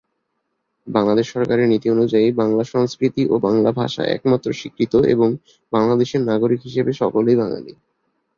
বাংলাদেশ সরকারের নীতি অনুযায়ী, বাংলা সংস্কৃতি ও বাংলা ভাষা একমাত্র স্বীকৃত এবং বাংলাদেশের নাগরিক হিসেবে সকলেই বাঙালি।